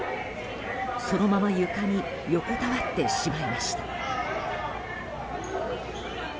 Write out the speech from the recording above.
そのまま床に横たわってしまいました。